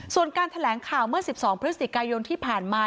ส่วนการแถลงข่าวเมื่อ๑๒พฤศจิกายนที่ผ่านมา